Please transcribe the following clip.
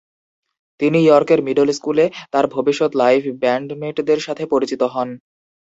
তিনি ইয়র্কের মিডল স্কুলে তার ভবিষ্যৎ লাইভ ব্যান্ডমেটদের সাথে পরিচিত হন।